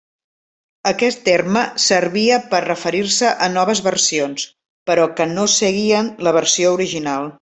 Aquest terme servia per referir-se a noves versions però que no seguien la versió original.